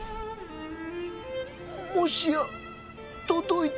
もしや届いたのか。